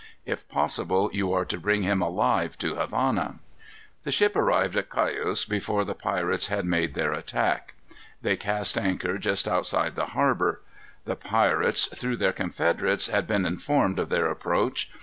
If possible, you are to bring him alive to Havana." The ship arrived at Cayos before the pirates had made their attack. They cast anchor just outside the harbor. The pirates, through their confederates, had been informed of their approach.